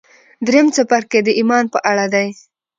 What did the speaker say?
درېيم څپرکی د ايمان په اړه دی.